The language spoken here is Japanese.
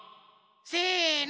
せの！